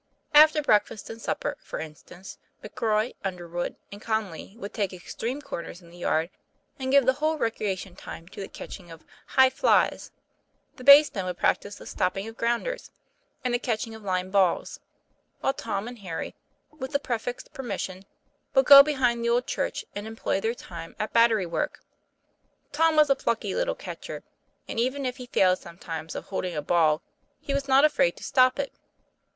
After breakfast and supper, for instance, McRoy, Underwood, and Conly would take extreme corners in the yard and give the whole recreation time to the catching of "high flies;" the basemen would practise the stopping of "grounders" and the catch ing of line balls; while Tom and Harry, with the prefect's permission, would go behind the old church and employ their time at 'battery work." Tom was a plucky little catcher, and even if he failed sometimes of holding a ball he was not afraid to stop it.